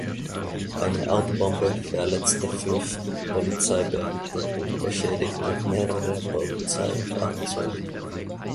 Eine Autobombe verletzte fünf Polizeibeamte und beschädigte mehrere Polizeifahrzeuge.